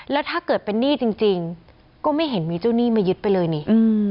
แล้วถ้าเกิดเป็นหนี้จริงก็ไม่เห็นมีเจ้าหนี้มายึดไปเลยนี่